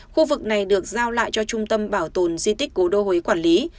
khu vực này được giao lại cho trung tâm bảo tồn di tích cố đô huế quản lý